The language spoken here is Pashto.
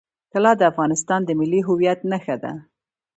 طلا د افغانستان د ملي هویت نښه ده.